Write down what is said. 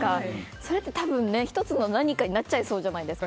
それって多分、１つの何かになっちゃいそうじゃないですか。